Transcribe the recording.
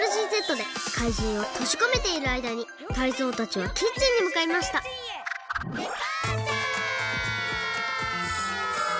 でかいじんをとじこめているあいだにタイゾウたちはキッチンにむかいましたデパーチャー！